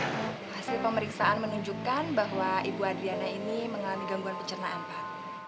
hasil pemeriksaan menunjukkan bahwa ibu adriana ini mengalami gangguan pencernaan pak